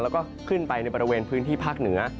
แล้วก็ขึ้นไปในบริเวณพื้นที่ภาคเหนือ